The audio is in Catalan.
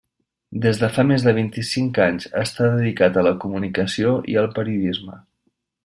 Des de fa més de vint-i-cinc anys està dedicat a la comunicació i el periodisme.